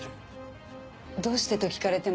どうしてと聞かれても。